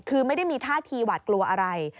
คือไม่ได้มีท่าทีหวาดกลัวอะไร